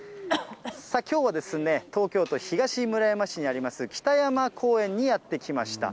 きょうは東京都東村山市にあります、北山公園にやって来ました。